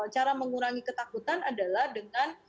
cara mengurangi ketakutan adalah dengan